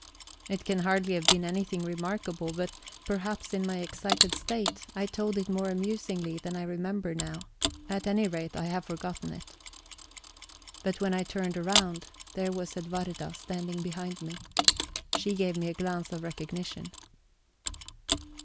It can hardly have been anything remarkable, but perhaps, in my excited state, I told it more amusingly than I remember now at any rate, I have forgotten it. But when I turned round, there was Edwarda standing behind me. She gave me a glance of recognition.